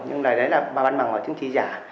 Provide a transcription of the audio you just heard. nhưng mà đấy là văn bằng chứng chỉ giả